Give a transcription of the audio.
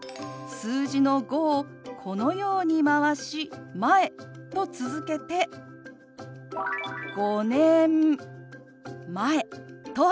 数字の「５」をこのように回し「前」と続けて「５年前」と表します。